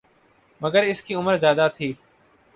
مگر اس کی عمر زیادہ تھی